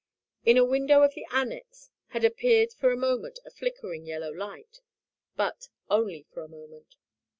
In a window of the annex had appeared for a moment a flickering yellow light. But only for a moment.